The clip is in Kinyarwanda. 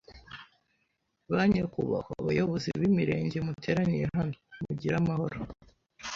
Ba nyakubahwa bayobozi b’imirenge muteraniye hano mugire amahoro!